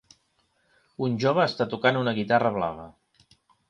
Un jove està tocant una guitarra blava